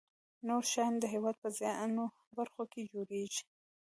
نور شیان د هېواد په زیاتو برخو کې جوړیږي.